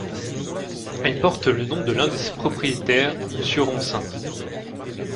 Elle porte le nom de l'un des propriétaire, monsieur Ronsin.